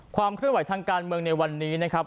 ความเคลื่อนไหวทางการเมืองในวันนี้นะครับ